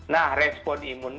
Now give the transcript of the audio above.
nah respon imun